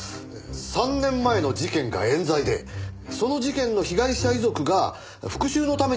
３年前の事件が冤罪でその事件の被害者遺族が復讐のために真犯人を殺害して。